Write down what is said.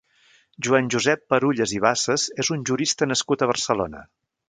Joan Josep Perulles i Bassas és un jurista nascut a Barcelona.